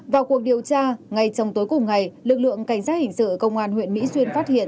vào cuộc điều tra ngay trong tối cùng ngày lực lượng cảnh sát hình sự công an huyện mỹ xuyên phát hiện